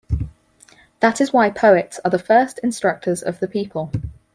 That is why poets are the first instructors of the people.